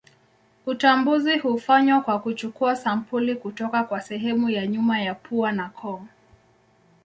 Utambuzi hufanywa kwa kuchukua sampuli kutoka kwa sehemu ya nyuma ya pua na koo.